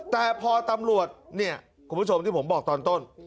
แต่พอตำรวจเนี่ยคุณผู้ชมที่ผมบอกตอนต้น